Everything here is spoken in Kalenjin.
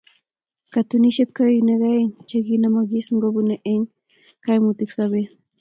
Katunisyet ko eunek aeng chekinomogis ngobunei eng kaimutiikab sobeet.